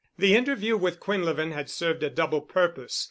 The interview with Quinlevin had served a double purpose.